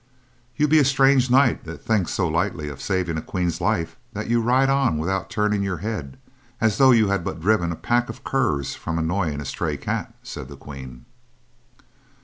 "You be a strange knight that thinks so lightly on saving a queen's life that you ride on without turning your head, as though you had but driven a pack of curs from annoying a stray cat," said the Queen.